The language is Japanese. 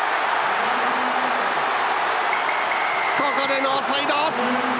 ここでノーサイド！